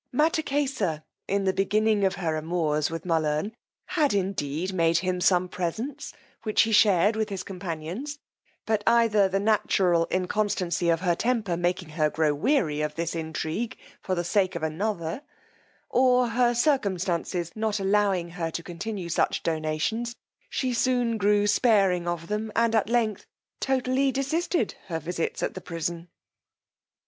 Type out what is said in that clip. Mattakesa, in the beginning of her amours with Mullern, had indeed made him some presents, which he shared with his companions; but either the natural inconstancy of her temper making her grow weary of this intrigue for the sake of another, or her circumstances not allowing her to continue such Donations, she soon grew sparing of them, and at length totally desisted her visits at the prison.